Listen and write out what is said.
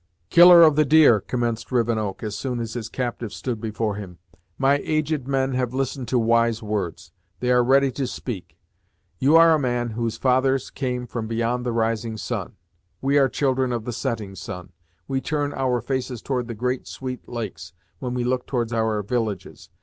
"Killer of the Deer," commenced Rivenoak, as soon as his captive stood before him, "my aged men have listened to wise words; they are ready to speak. You are a man whose fathers came from beyond the rising sun; we are children of the setting sun; we turn our faces towards the Great Sweet Lakes, when we look towards our villages.